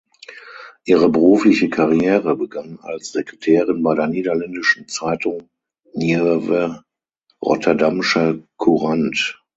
Ihre berufliche Karriere begann als Sekretärin bei der niederländischen Zeitung Nieuwe Rotterdamsche Courant.